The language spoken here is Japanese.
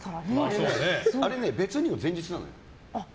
あれ、別にの前日なのよ。